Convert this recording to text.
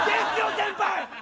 先輩！